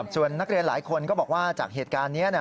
ส่วนนักเรียนหลายคนก็บอกว่าจากเหตุการณ์นี้